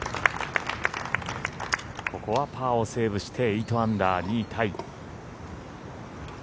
ここはパーをセーブして８アンダー２位タイ。